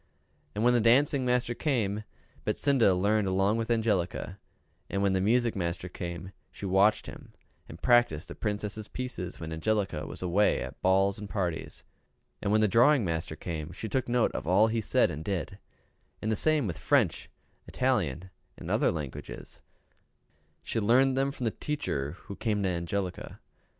And when the dancing master came, Betsinda learned along with Angelica; and when the music master came, she watched him and practiced the Princess' pieces when Angelica was away at balls and parties; and when the drawing master came, she took note of all he said and did; and the same with French, Italian, and all other languages she learned them from the teacher who came to Angelica.